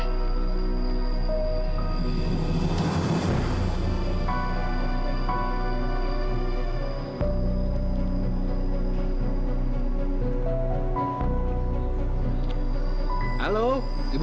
sudah kata antarohng dina